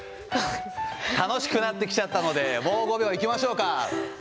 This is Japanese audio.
楽しくなってきちゃったので、もう５秒いきましょうか。